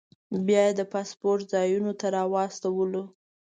بیا یې د پاسپورټ ځایونو ته راوستو.